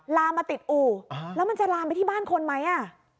ลามมาติดอู่แล้วมันจะลามไปที่บ้านคนไหมอ่ะ